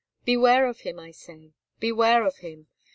Beware of him, I say—beware of him.